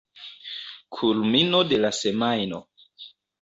Kulmino de la semajno.